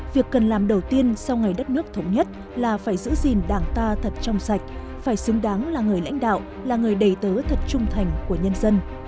việc cần làm đầu tiên sau ngày đất nước thống nhất là phải giữ gìn đảng ta thật trong sạch phải xứng đáng là người lãnh đạo là người đầy tớ thật trung thành của nhân dân